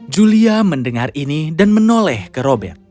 julia mendengar ini dan menoleh ke robert